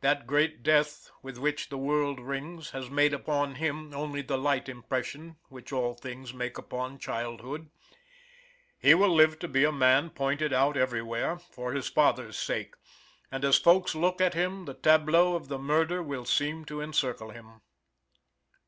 That great death, with which the world rings, has made upon him only the light impression which all things make upon childhood. He will live to be a man pointed out everywhere, for his father's sake; and as folks look at him, the tableau of the murder will seem to encircle him.